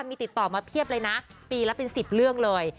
มีติดต่อมาเพียบเลยนะปีละเป็น๑๐เรื่องเลย